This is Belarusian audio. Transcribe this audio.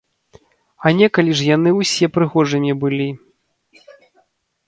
А некалі ж яны ўсе прыгожымі былі!